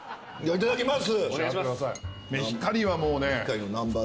いただきます！